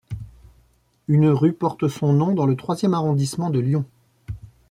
Une rue porte son nom dans le troisième arrondissement de Lyon.